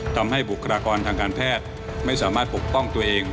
บุคลากรทางการแพทย์ไม่สามารถปกป้องตัวเอง